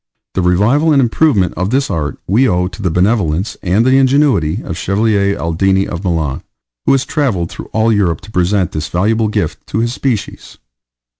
The revival and the improvement of this art we owe to the benevolence and the ingenuity of the Chevalier Aldini of Milan, who has travelled through all Europe to present this valuable gift to his species.